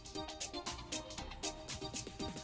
tapi mau jual